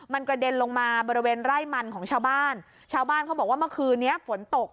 มันกระเด็นลงมาบริเวณไร่มันของชาวบ้านชาวบ้านเขาบอกว่าเมื่อคืนนี้ฝนตก